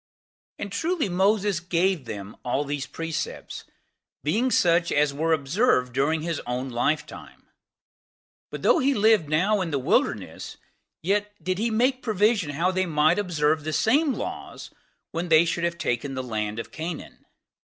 3. And truly Moses gave them all these precepts, being such as were observed during his own lifetime; but though he lived now in the wilderness, yet did he make provision how they might observe the same laws when they should have taken the land of Canaan.